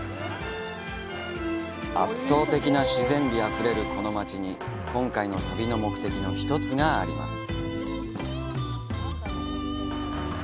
圧倒的な自然美あふれるこの町に今回の旅の目的の一つがあります。